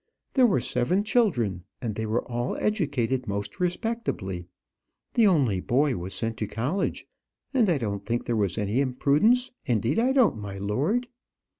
There were seven children; and they were all educated most respectably. The only boy was sent to college; and I don't think there was any imprudence indeed I don't, my lord.